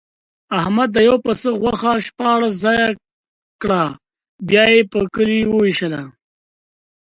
احمد د یوه پسه غوښه شپاړس ځایه کړه، بیا یې په کلي ووېشله.